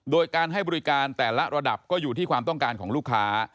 โดยการให้บริการแต่ละระดับก็อยู่ที่ความต้องการของลูกค้า